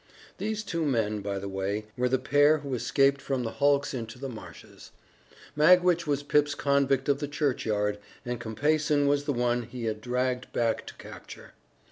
These two men, by the way, were the pair who escaped from the hulks into the marshes. Magwitch was Pip's convict of the churchyard, and Compeyson was the one he had dragged back to capture.